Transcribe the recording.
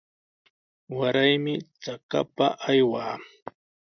Waraymi trakapa aywaa.